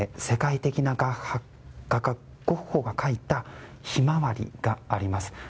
世界的な画家ゴッホが描いた「ひまわり」があります。